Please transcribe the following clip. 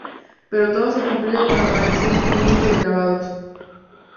Pero todo se complica con la aparición de un libro de grabados.